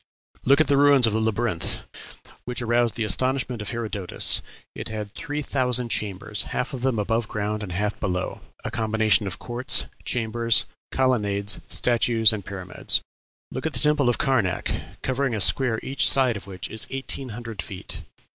Look at the ruins of the Labyrinth, which aroused the astonishment of Herodotus; it had three thousand chambers, half of them above ground and half below a combination of courts, chambers, colonnades, statues, and pyramids. Look at the Temple of Karnac, covering a square each side of which is eighteen hundred feet.